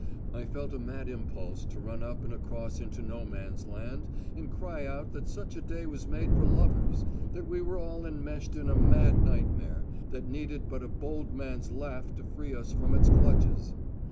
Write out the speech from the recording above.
I felt a mad impulse to run up and across into No Man's Land and cry out that such a day was made for lovers; that we were all enmeshed in a mad nightmare, that needed but a bold man's laugh to free us from its clutches!